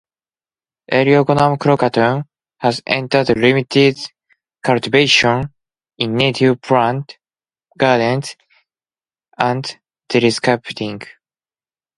"Eriogonum crocatum" has entered limited cultivation in native plant gardens and xeriscaping.